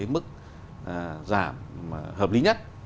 mức giảm hợp lý nhất